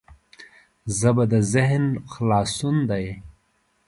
ژبه د ذهن خلاصون دی